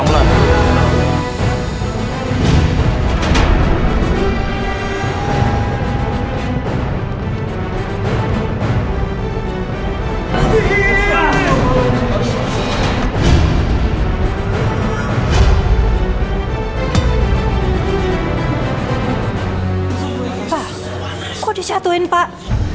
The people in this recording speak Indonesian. pak kok disatuin pak